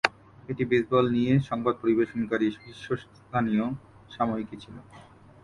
এটি বেসবল নিয়ে সংবাদ পরিবেশনকারী শীর্ষস্থানীয় সাময়িকী ছিল।